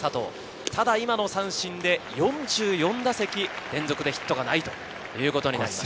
ただ今の三振で４４打席連続でヒットがないということになります。